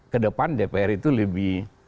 ke depan dpr itu lebih